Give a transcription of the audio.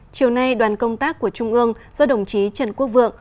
chiều nay đoàn công tác của trung ương do đồng chí trần quốc vượng